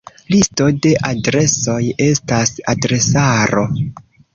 Listo de adresoj estas adresaro.